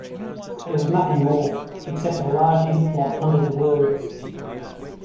There was nothing more, except a large ink blot under the words.